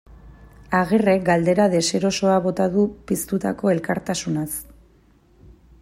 Agirrek galdera deserosoa bota du piztutako elkartasunaz.